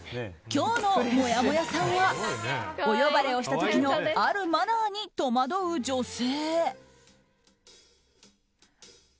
今日のもやもやさんはお呼ばれをした時のあるマナーに戸惑う女性。